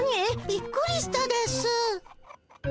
びっくりしたですぅ。